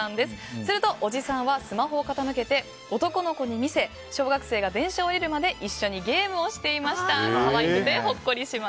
するとおじさんはスマホを傾けて男の子に見せ、小学生が電車を降りるまで一緒にゲームをしていました